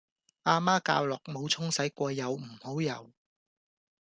阿媽教落冇沖洗過又唔好游